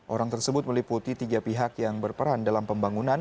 orang tersebut meliputi tiga pihak yang berperan dalam pembangunan